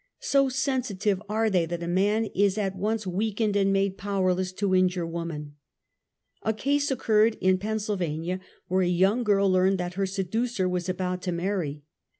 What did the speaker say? So seiisative are they that a man is at once weakened and made powerless to injure woman, A case occured in Pennsylvania, where a young girl learned that her seducer was about to marry.